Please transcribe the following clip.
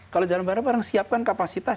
kalau jalan bareng siapkan kapasitas